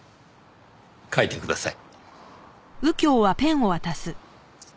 書いてください。